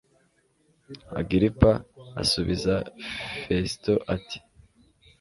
agiripa asubiza fesito ati